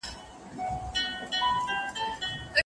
نوښتګر خلګ تل په ټولنه کي ځلېږي.